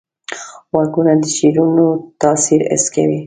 غوږونه د شعرونو تاثیر حس کوي